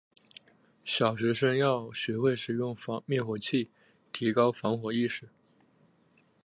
小学生要学会使用灭火器，提高防火意识。